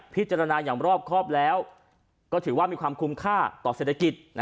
พิจารณาอย่างรอบครอบแล้วก็ถือว่ามีความคุ้มค่าต่อเศรษฐกิจ